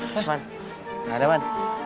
han ada man